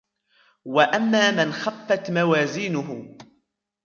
وَأَمَّا مَنْ خَفَّتْ مَوَازِينُهُ